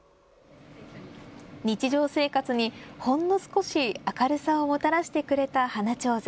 日常生活にほんの少し明るさをもたらしてくれた花ちょうず。